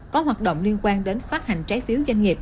có hoạt động liên quan đến phát hành trái phiếu doanh nghiệp